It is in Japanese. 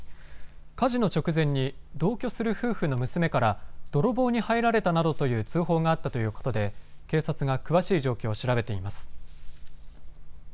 火事の直前に同居する夫婦の娘から泥棒に入られたなどという通報があったということで警察が詳しい状況を調べています。